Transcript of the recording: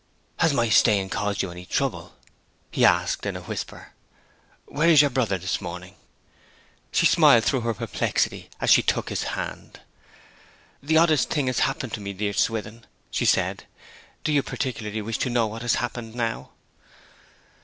'Has my staying caused you any trouble?' he asked in a whisper. 'Where is your brother this morning?' She smiled through her perplexity as she took his hand. 'The oddest things happen to me, dear Swithin,' she said. 'Do you wish particularly to know what has happened now?'